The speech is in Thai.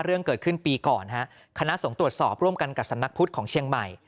เรื่องเกิดขึ้นปีก่อนฮะคณะสงฆ์ตรวจสอบร่วมกันกับสำนักพุทธของเชียงใหม่